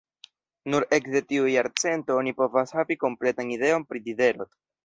Nur ekde tiu jarcento oni povas havi kompletan ideon pri Diderot.